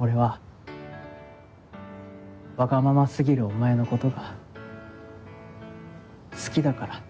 俺はわがまま過ぎるお前のことが好きだから。